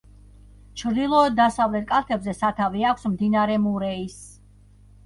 ჩრდილოეთ-დასავლეთ კალთებზე სათავე აქვს მდინარე მურეის.